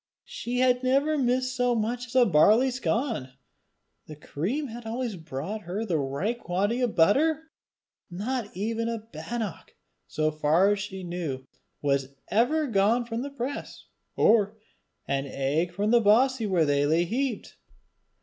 She had never missed so much as a barley scon! The cream had always brought her the right quantity of butter! Not even a bannock, so far as she knew, was ever gone from the press, or an egg from the bossie where they lay heaped!